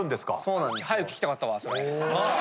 早く聞きたかったわそれ。